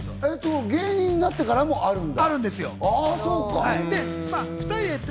芸人になってからもあるんだ？